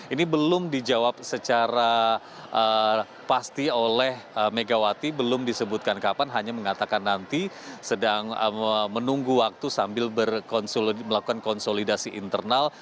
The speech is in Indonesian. ini belum dijawab secara pasti oleh megawati belum disebutkan kapan hanya mengatakan nanti sedang menunggu waktu sambil melakukan konsolidasi internal